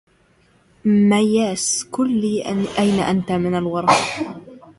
مياس قل لي أين أنت من الورى